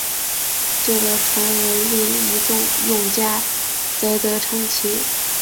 这个传闻令一众用家啧啧称奇！